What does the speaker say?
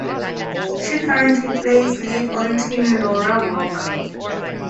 She currently plays lead on Team Laura Walker.